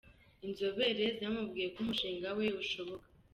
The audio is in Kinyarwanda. Inzobere zamubwiye ko umushinga we ushoboka.